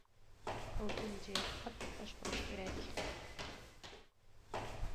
ئالتىنچى، قاتتىق باشقۇرۇش كېرەك.